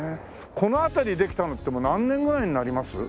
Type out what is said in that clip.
この辺りできたのってもう何年ぐらいになります？